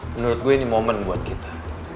menurut gue ini momen buat kita